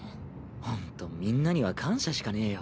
ほんとみんなには感謝しかねぇよ。